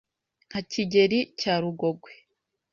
Nka Kigeli cya Rugogwe